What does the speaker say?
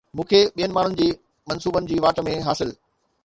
مون کي ٻين ماڻهن جي منصوبن جي واٽ ۾ حاصل